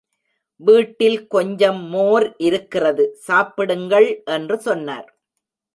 வீட்டில் கொஞ்சம் மோர் இருக்கிறது சாப்பிடுங்கள் என்று சொன்னார்.